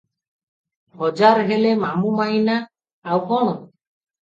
ହଜାର ହେଲେ ମାମୁ ମାଈଁ ନା, ଆଉ କ’ଣ?